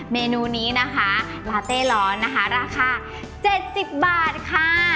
เมนูนี้นะคะลาเต้ร้อนนะคะราคา๗๐บาทค่ะ